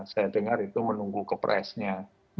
saya dengar itu menunggu kepresnya